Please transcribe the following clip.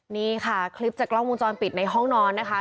นี่ค่ะคลิปจากกล้องวงจรปิดในห้องนอนนะคะ